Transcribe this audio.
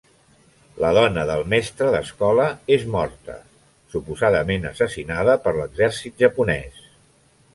La dona del mestre d'escola és morta; suposadament assassinada per l'exèrcit japonès.